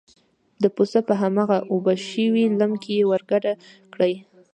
د پسه په هماغه اوبه شوي لم کې یې ور ګډه کړه.